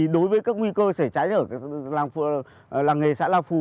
đối với các nguy cơ xảy ở làng nghề xã la phù